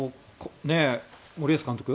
森保監督